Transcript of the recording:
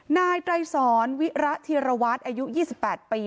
นายไตรสอนวิระธีรวัตรอายุ๒๘ปี